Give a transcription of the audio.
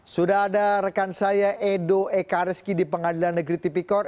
sudah ada rekan saya edo ekareski di pengadilan negeri tipikor